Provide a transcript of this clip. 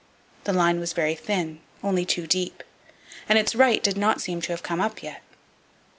The line was very thin, only two deep, and its right did not seem to have come up yet.